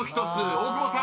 大久保さん］